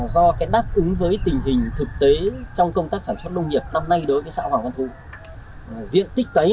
do cái đặc điểm điện lý ở cái khu vực này